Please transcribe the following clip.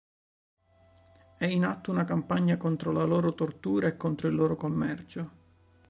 È in atto una campagna contro la loro tortura e contro il loro commercio.